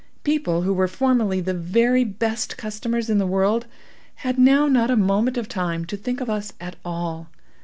People who were formerly, the very best customers in the world, had now not a moment of time to think of us at all.